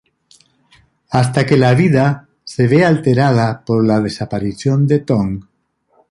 Hasta que la vida se ve alterada por la desaparición de Tong.